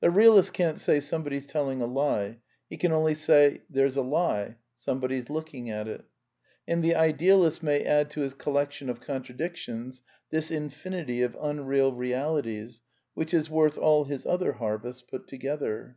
The realist can't say :" Somebody's telling a lie." He \^ can only say :" There's a lie. Somebody's looking atr ^ V it." And the idealist may add to his collection of con tradictions this infinity of unreal realities, which is worth all his other harvests put together.